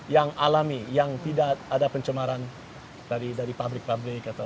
yang alami yang tidak ada pencemaran dari pabrik pabrik